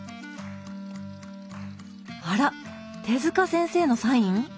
あら手塚先生のサイン？